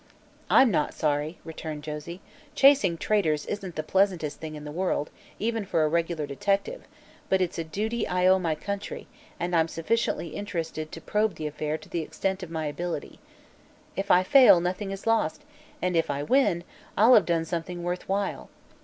"I'm not sorry," returned Josie. "Chasing traitors isn't the pleasantest thing in the world, even for a regular detective, but it's a duty I owe my country and I'm sufficiently interested to probe the affair to the extent of my ability. If I fail, nothing is lost, and if I win I'll have done something worth while.